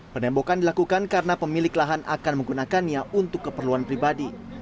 penembokan dilakukan karena pemilik lahan akan menggunakannya untuk keperluan pribadi